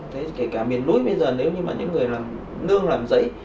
thế cả miền núi bây giờ nếu như những người nương làm dãy